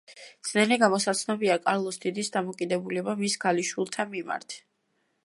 ძნელი გამოსაცნობია კარლოს დიდის დამოკიდებულება მის ქალიშვილთა მიმართ.